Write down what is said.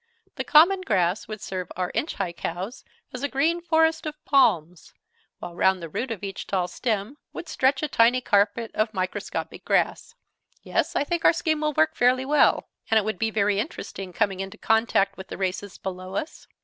The common grass would serve our inch high cows as a green forest of palms, while round the root of each tall stem would stretch a tiny carpet of microscopic grass. Yes, I think our scheme will work fairly well. And it would be very interesting, coming into contact with the races below us.